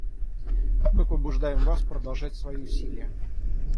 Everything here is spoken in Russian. Мы побуждаем вас продолжать свои усилия.